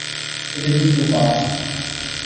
It is in two parts.